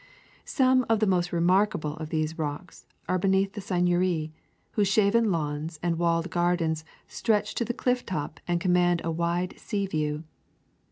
Some of the most remarkable of these rocks are beneath the Seigneurie, whose shaven lawns and walled gardens stretch to the cliff top and command a wide sea view.